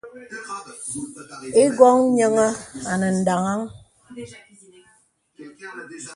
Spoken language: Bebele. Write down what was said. Ìwɔ̀ŋ nyìəŋə̀ ànə ndaŋaŋ.